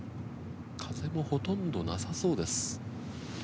風もほとんどなさそうです。